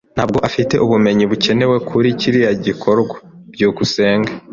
Ntabwo afite ubumenyi bukenewe kuri kiriya gikorwa. byukusenge